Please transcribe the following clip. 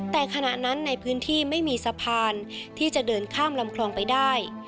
แต่ขณะนั้นในพื้นที่ไม่มีสะพานที่จะเดินข้ามลำคลองไปได้